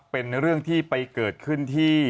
เป็นเรื่องที่ไปเกิดขึ้นที่